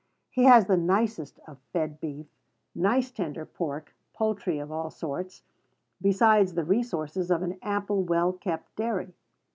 He has the nicest of fed beef, nice tender pork, poultry of all sorts, besides the resources of an ample, well kept dairy.